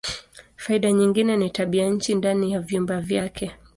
Faida nyingine ni tabianchi ndani ya vyumba vyake.